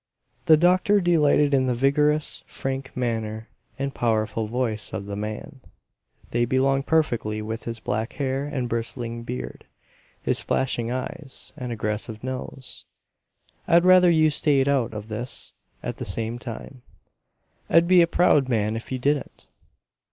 The doctor delighted in the vigorous, frank manner and powerful voice of the man; they belonged perfectly with his black hair and bristling beard, his flashing eyes and aggressive nose. "I'd rather you stayed out of this; at the same time, I'd be a proud man if you didn't!"